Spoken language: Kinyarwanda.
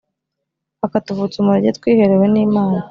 akatuvutsa umurage twiherewe n Imana